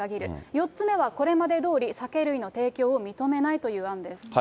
４つ目は、これまでどおり、酒類の提供を認めないという案です。